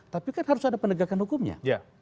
tapi kan harus ada penegakan hukumnya